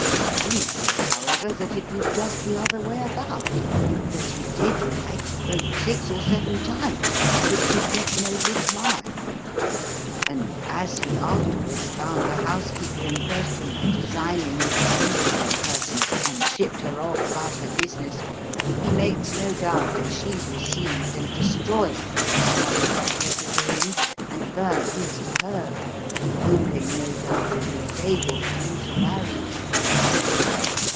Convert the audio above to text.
He says, however, that it was just the other way about. That he did write wrote six or seven times but could get no reply; and as he afterwards found the housekeeper in question a designing and deceitful person, and shipped her off about her business, he makes no doubt that she received and destroyed Mrs. Comstock's letter to him and burnt his to her, hoping, no doubt, to inveigle him into marrying her."